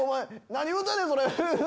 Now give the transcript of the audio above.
何言うてんねん？